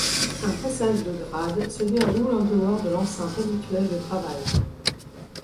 Un passage de grade se déroule en dehors de l'enceinte habituelle de travail.